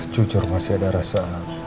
jujur masih ada rasa